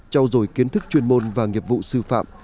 trao dồi kiến thức chuyên môn và nghiệp vụ sư phạm